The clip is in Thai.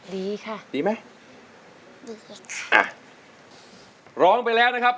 ดีค่ะดีไหมดีค่ะอ่ะร้องไปแล้วนะครับ